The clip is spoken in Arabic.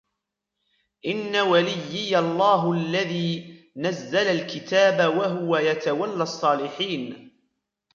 إن وليي الله الذي نزل الكتاب وهو يتولى الصالحين